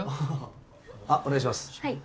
あっお願いします。